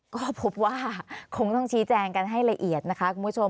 ก็พบว่าคงต้องชี้แจงกันให้ละเอียดนะคะคุณผู้ชม